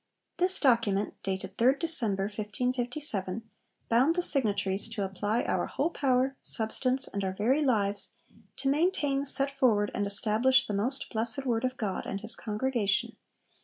This document, dated 3rd December 1557, bound the signatories to 'apply our whole power, substance, and our very lives, to maintain, set forward, and establish the most blessed Word of God and his congregation